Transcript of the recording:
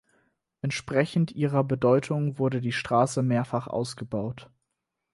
Entsprechend ihrer Bedeutung wurde die Straße mehrfach ausgebaut.